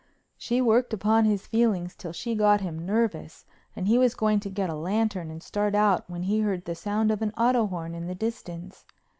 She worked upon his feelings till she got him nervous and he was going to get a lantern and start out when he heard the sound of an auto horn in the distance.